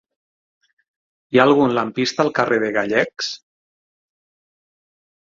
Hi ha algun lampista al carrer de Gallecs?